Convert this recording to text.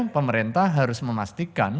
pemerintah harus memprioritaskan